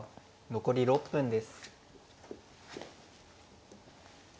残り６分です。